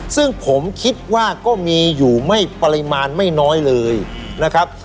ซึ่งผมคิดว่าก็มีอยู่ไม่ปริมาณไม่น้อยเลยนะครับ